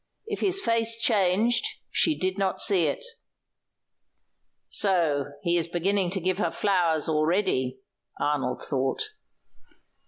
If his face changed, she did not see it. "So he is beginning to give her flowers already," Arnold thought.